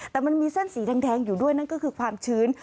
แต่มันมีเส้นสีแดงอยู่ด้วยนั่นก็คือความชื้น